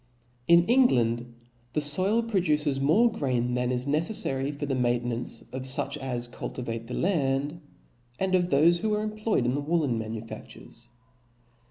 In England the foil produces more grain than is neceffary for the maintenance of fuch as cultivate the land, and of thofe who are employed in the woollen manufaftures.